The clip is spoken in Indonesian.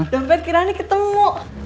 dompet kiranya ketemu